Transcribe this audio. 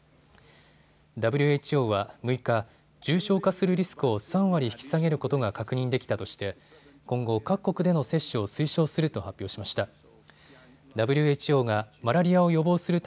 ＷＨＯは６日、重症化するリスクを３割引き下げることが確認できたとして今後、各国での接種を推奨すると発表しました。